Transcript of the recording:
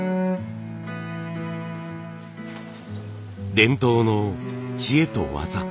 伝統の知恵と技。